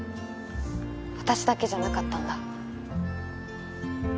私だけじゃなかったんだ。